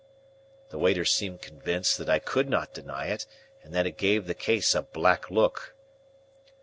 The waiter seemed convinced that I could not deny it, and that it gave the case a black look.